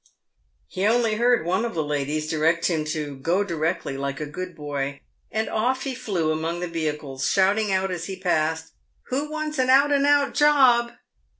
He only heard one of the ladies direct him to "go directly, like a good boy," and off he flew among the vehicles, shouting out, as he passed, " Who wants an out and out job